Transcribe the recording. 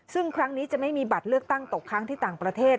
ซึ่งครั้งนี้จะไม่มีบัตรเลือกตั้งตกค้างที่ต่างประเทศ